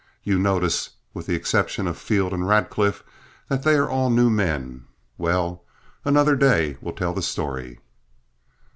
You notice, with the exception of Field and Radcliff, they are all new men. Well, another day will tell the story."